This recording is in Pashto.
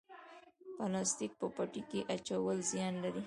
پلاستیک په پټي کې اچول زیان لري؟